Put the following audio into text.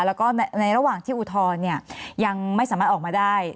แล้วก็ในระหว่างที่อุทธรณ์ยังไม่สามารถออกมาได้